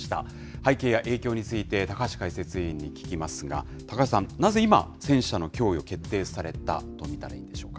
背景や影響について、高橋解説委員に聞きますが、高橋さん、なぜ今、戦車の供与、決定されたと見たらいいんでしょうか。